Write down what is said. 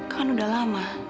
kan udah lama